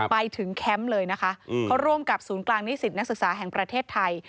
แคมป์เลยนะคะเขาร่วมกับศูนย์กลางนิสิตนักศึกษาแห่งประเทศไทย